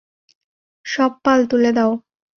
সব পাল তুলে দাও!